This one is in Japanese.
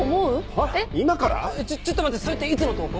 ちょっと待ってそれっていつの投稿？